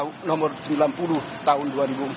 nomor sembilan puluh tahun dua ribu dua puluh tiga